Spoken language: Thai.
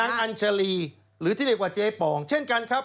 อัญชาลีหรือที่เรียกว่าเจปองเช่นกันครับ